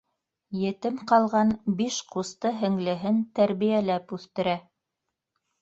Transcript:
Етем ҡалған биш ҡусты-һеңлеһен тәрбиәләп үҫтерә.